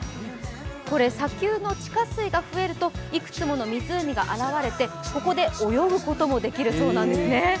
これ、砂丘の地下水が増えるといくつもの湖が現れてここで泳ぐこともできるそうなんです。